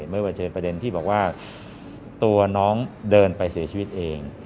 ไม่ว่าจะประเด็นที่บอกว่าตัวน้องเดินไปเสียชีวิตเอง